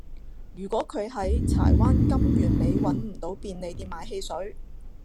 如果佢喺柴灣金源里搵唔到便利店買汽水